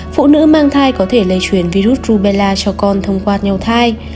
phụ nữ mang thai có thể lây truyền virus rubella cho con thông qua nhau thai